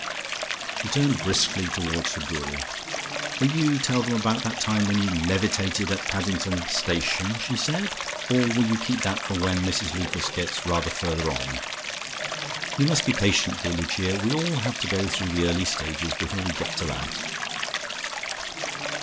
She turned briskly towards her Guru. "Will you tell them about that time when you levitated at Paddington Station?" she said. "Or will you keep that for when Mrs Lucas gets rather further on? You must be patient, dear Lucia; we all have to go through the early stages, before we get to that."